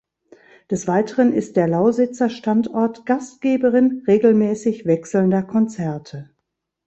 Des Weiteren ist der Lausitzer Standort Gastgeberin regelmäßig wechselnder Konzerte.